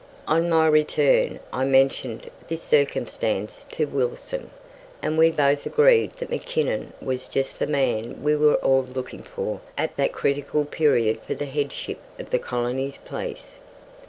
On my return I mentioned this circumstance to Wilson, and we both agreed that Mackinnon was just the man we were all looking for at that critical period for the headship of the colony's police.